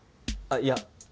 あっいや